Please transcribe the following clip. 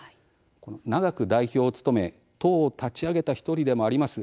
長く代表を務め党を立ち上げた１人でもあります